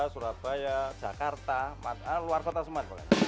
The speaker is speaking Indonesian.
surabaya jakarta luar kota semua